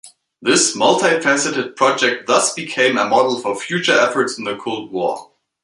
This multifaceted project thus became a model for future efforts in the Cold War.